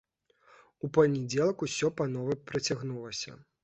У панядзелак усё па новай працягнулася.